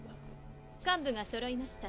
幹部がそろいました。